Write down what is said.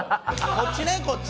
こっちねこっち。